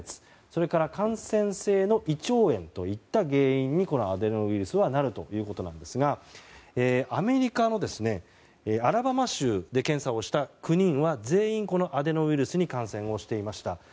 それから感染性の胃腸炎といった原因に、アデノウイルスはなるということなんですがアメリカのアラバマ州で検査をした９人は全員、このアデノウイルスに感染していました。